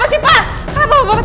saya tidak melakukan apa apa ini